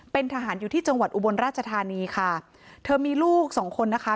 เป็นทหารอยู่ที่จังหวัดอุบลราชธานีค่ะเธอมีลูกสองคนนะคะ